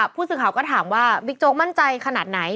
ผู้สื่อข่าวก็ถามว่าบิ๊กโจ๊กมั่นใจขนาดไหน